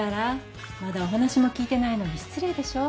氷柱まだお話も聞いてないのに失礼でしょ